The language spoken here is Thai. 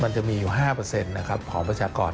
มันจะมีอยู่๕ของประชากร